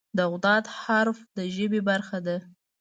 د "ض" حرف د ژبې برخه ده.